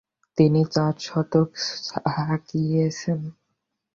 তিনি চার শতক হাঁকিয়েছিলেন।